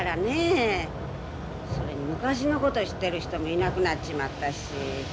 それに昔の事を知ってる人もいなくなっちまったし。